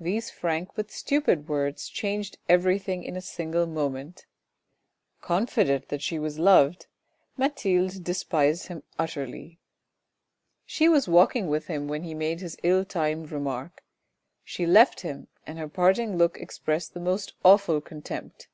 These frank but stupid words changed everything in a single moment ; confident that she was loved, Mathilde despised him utterly. She was walking with him when he made his ill timed remark ; she left him, and her parting look expressed the most awful contempt.